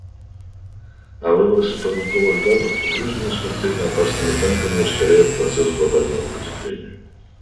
А выбросы парниковых газов попрежнему смертельно опасными темпами ускоряют процесс глобального потепления.